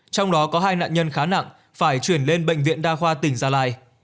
trong đó có hai nạn nhân khá nặng phải chuyển lên bệnh viện đa khoa tỉnh gia lai